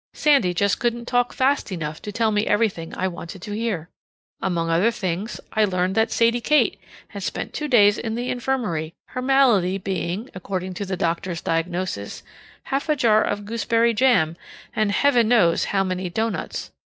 Sandy just couldn't talk fast enough to tell me everything I wanted to hear. Among other items, I learned that Sadie Kate had spent two days in the infirmary, her malady being, according to the doctor's diagnosis, half a jar of gooseberry jam and Heaven knows how many doughnuts.